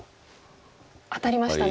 当たりましたね。